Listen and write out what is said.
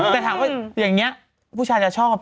แต่ถามว่าอย่างนี้ผู้ชายจะชอบ